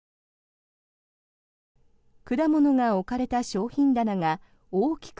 果物が置かれた商品棚が大きく